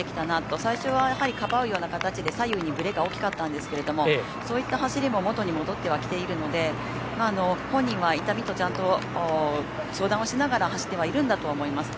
最初はかばうような形で左右にぶれが大きかったんですけどそういった走りも元に戻ってはきているので本人は痛みとちゃんと相談をしながら走ってはいるんだと思います。